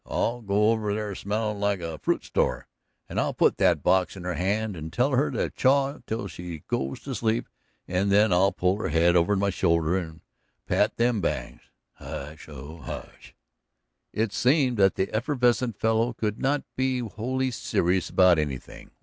I'll go over there smellin' like a fruit store, and I'll put that box in her hand and tell her to chaw till she goes to sleep, an then I'll pull her head over on my shoulder and pat them bangs. Hursh, oh, hursh!" It seemed that the effervescent fellow could not be wholly serious about anything.